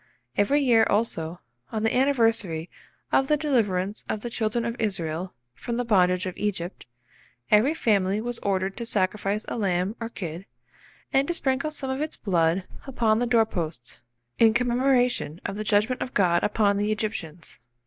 Every year, also, on the anniversary of the deliverance of the children of Israel from the bondage of Egypt, every family was ordered to sacrifice a lamb or kid, and to sprinkle some of its blood upon the door posts, in commemoration of the judgment of God upon the Egyptians.